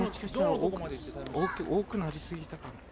多くなりすぎたかも。